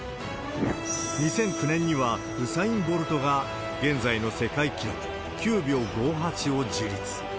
２００９年にはウサイン・ボルトが現在の世界記録、９秒５８を樹立。